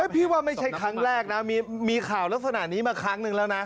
พี่ว่าไม่ใช่ครั้งแรกนะมีข่าวลักษณะนี้มาครั้งหนึ่งแล้วนะ